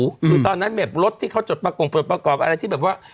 คือตอนนั้นแบบรถที่เขาจดประกงเปิดประกอบอะไรที่แบบว่า